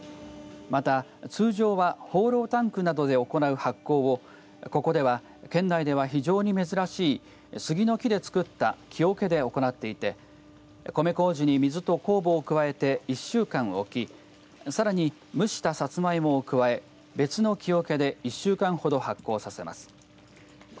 また通常はホーロータンクなどで行う発酵をここでは県内では非常に珍しい杉の木で作った木おけで行っていて米こうじに水と酵母を加えて１週間置きさらに、蒸したさつまいもを加え別の木おけで１週間ほど発酵させます。